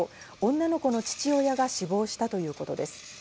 女の子の父親が死亡したということです。